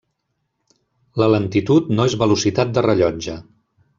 La lentitud no és velocitat de rellotge.